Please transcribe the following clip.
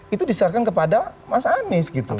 itu diserahkan kepada mas anies gitu